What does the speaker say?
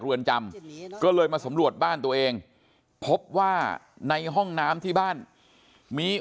เรือนจำก็เลยมาสำรวจบ้านตัวเองพบว่าในห้องน้ำที่บ้านมี